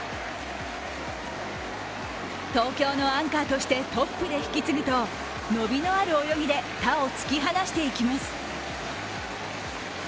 東京のアンカーとしてトップで引き継ぐと伸びのある泳ぎで他を突き放していきます。